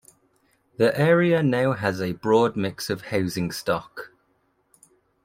The area now has a broad mix of housing stock.